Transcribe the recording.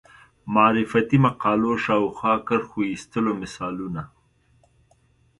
معرفتي مقولو شاوخوا کرښو ایستلو مثالونه